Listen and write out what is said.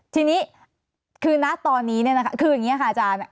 ทีนี้คือนัดตอนนี้คืออย่างนี้ค่ะอาจารย์